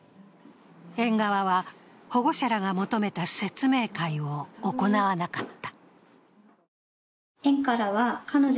園側は保護者らが求めた説明会を行わなかった。